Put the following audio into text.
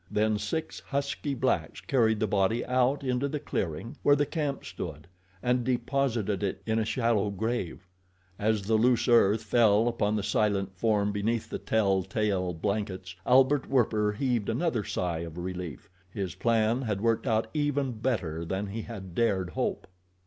Then six husky blacks carried the body out into the clearing where the camp stood, and deposited it in a shallow grave. As the loose earth fell upon the silent form beneath the tell tale blankets, Albert Werper heaved another sigh of relief—his plan had worked out even better than he had dared hope.